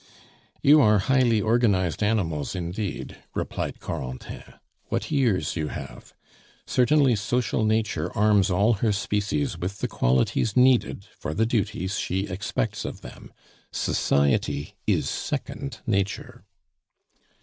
'" "You are highly organized animals, indeed," replied Corentin. "What ears you have! Certainly Social Nature arms all her species with the qualities needed for the duties she expects of them! Society is second nature."